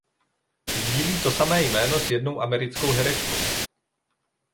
Sdílí to samé jméno s jednou americkou herečkou.